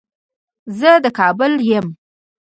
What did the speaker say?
زه د کابل يم